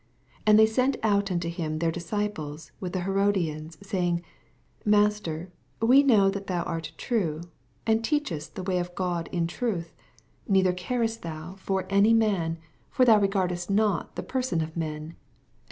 16 And they sent out unto him their disoipleB with the Herodiansi saying, Master, we know that thoa art true, and teaohest the wa/7 of G^ in truth, neither carest thou for any 384 EXPOSITOBT THODGHTa. / for thon regirdett not the per* ■on of men.